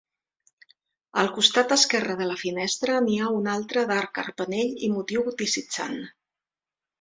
Al costat esquerre de la finestra n'hi ha una altra d'arc carpanell i motiu goticitzant.